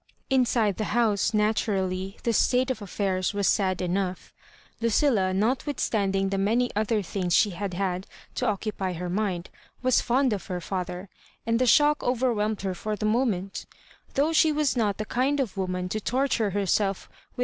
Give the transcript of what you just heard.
Inside the house, naturally, the state of affs^irs was sad enough. Lucilla, notwithstanding the many other tMngs she had had to occupy her mind, was fond of her father, and the shock overwhelmed her for the moment Though sb.e was not the kind of woman to torture herself with